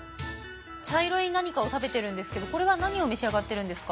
茶色い何かを食べてるんですけどこれは何を召し上がってるんですか？